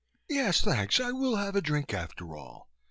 "Yes, thanks, I will have a drink after all.